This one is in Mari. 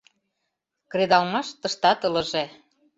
Кредалмаш тыштат ылыже.